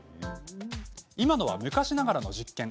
今のは、昔ながらの実験。